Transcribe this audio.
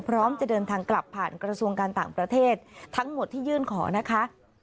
พร้อมจะเดินทางกลับผ่านกระทรวงการต่างประเทศทั้งหมดที่ยื่นขอนะคะ